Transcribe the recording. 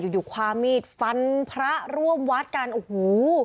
อยู่อยู่ความมีดฟันพระร่วมวัดกันโอ้โห